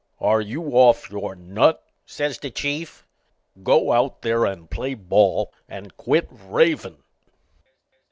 "Are you off your nut?" says the Chief. "Go out there and play ball and quit ravin'."